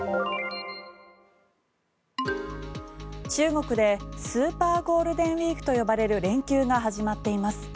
中国でスーパーゴールデンウィークと呼ばれる連休が始まっています。